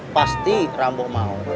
pasti ramboh mau